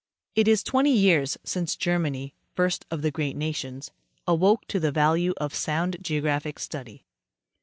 It is twenty years since Germany, first of the great nations, awoke to the value of sound geographic study.